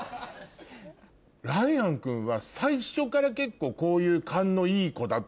ライアン君は最初から結構こういう勘のいい子だったの？